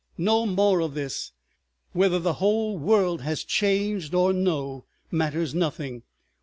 No more of this!—whether the whole world has changed or no, matters nothing.